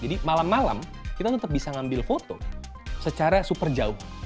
jadi malam malam kita tetap bisa mengambil foto secara super jauh